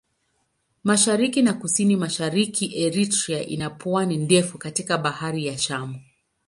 Mashariki na Kusini-Mashariki Eritrea ina pwani ndefu katika Bahari ya Shamu.